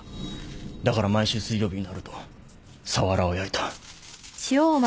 だから毎週水曜日になるとサワラを焼いた。